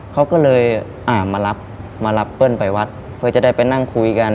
เขาก็เลยอ่ามารับมารับเปิ้ลไปวัดเพื่อจะได้ไปนั่งคุยกัน